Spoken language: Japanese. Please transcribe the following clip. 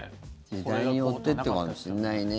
時代によってという感じかもしれないね。